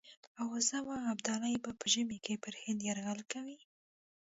آوازه وه ابدالي به په ژمي کې پر هند یرغل کوي.